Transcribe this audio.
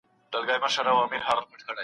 خو هيڅ حل نه پيدا کېږي.